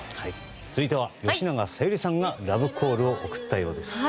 続いては吉永小百合さんがラブコールを送ったようです。